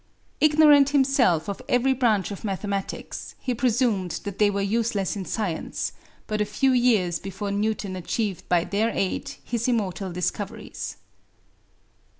Ignorant himself of every branch of mathematics, he presumed that they were useless in science but a few years before Newton achieved by their aid his immortal discoveries.